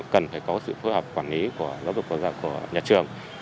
cần phải có sự phối hợp quản lý giáo dục của nhà trường